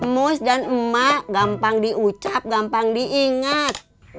mus dan emak gampang diucap gampang diingat